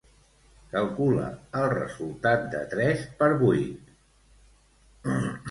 Calcula el resultat de tres per vuit.